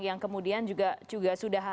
yang kemudian juga sudah